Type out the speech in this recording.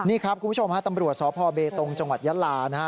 นี่ครับคุณผู้ชมฮะตำรวจสพเบตงจังหวัดยะลานะฮะ